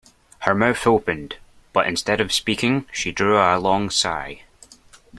Her mouth opened, but instead of speaking she drew a long sigh.